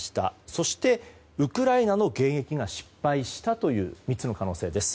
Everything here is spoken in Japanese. そしてウクライナの迎撃が失敗したという３つの可能性です。